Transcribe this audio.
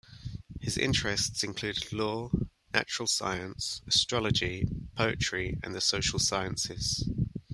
His interests included law, natural science, astrology, poetry and the social sciences.